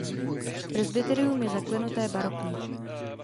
Presbyterium je zaklenuté barokně.